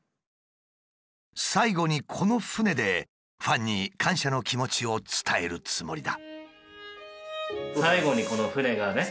最後にこの船でファンに感謝の気持ちを伝えるつもりだ。